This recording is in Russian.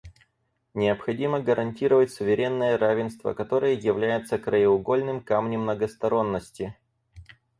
Необходимо гарантировать суверенное равенство, которое является краеугольным камнем многосторонности.